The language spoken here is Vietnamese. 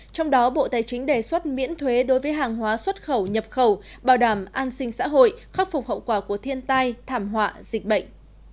trong đó bộ tài chính đề xuất miễn thuế đối với hàng hóa xuất khẩu nhập khẩu bảo đảm an sinh xã hội khắc phục hậu quả của thiên tai thảm họa dịch bệnh